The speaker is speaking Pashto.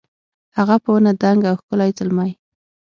هغه په ونه دنګ او ښکلی زلمی